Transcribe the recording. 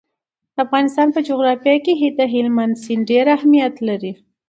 د افغانستان په جغرافیه کې هلمند سیند ډېر اهمیت لري.